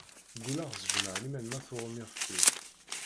Gulleɣ s jmaɛliman ma tuɣ-m ixef-iw.